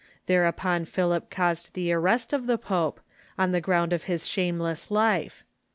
Thereupon Philip caused the arrest of the pope, on the ground of his shameless life.